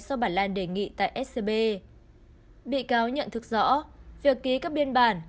sau bản lan đề nghị tại scb bị cáo nhận thức rõ việc ký các biên bản